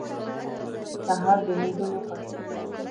سهار د امیدونو خوښي ده.